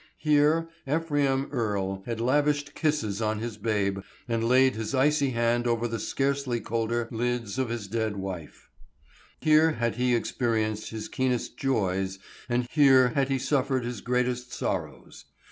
Here Ephraim Earle had lavished kisses on his babe and laid his icy hand over the scarcely colder lids of his dead wife. Here had he experienced his keenest joys and here had he suffered his greatest sorrows.